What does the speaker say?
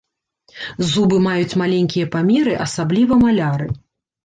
Зубы маюць маленькія памеры, асабліва маляры.